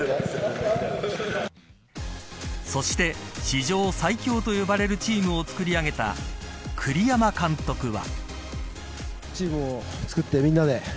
そして史上最強と呼ばれるチームをつくり上げた栗山監督は。